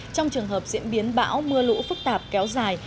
trong trường hợp diễn biến bão mưa lũ phức tạp kéo dài